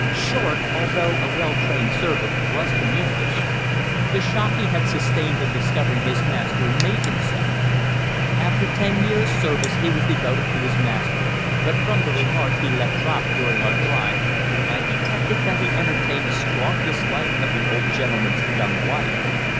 Short, although a well trained servant, was communicative. The shock he had sustained in discovering his master made him so. After ten years' service he was devoted to his master, but from the remarks he let drop during our drive I detected that he entertained a strong dislike of the old gentleman's young wife.